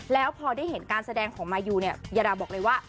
แล้วพอได้เห็นการแสดงของมายูเนี่ยยาดาบอกเลยว่า